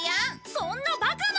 そんなバカな！